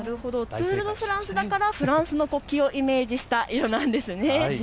ツール・ド・フランスだったらフランスの国旗をイメージした色なんですね。